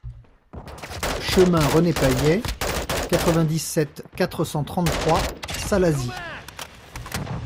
Chemin René Payet, quatre-vingt-dix-sept, quatre cent trente-trois Salazie